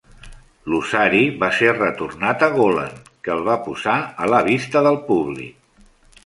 L'osari va ser retornat a Golan, que el va posar a la vista del públic.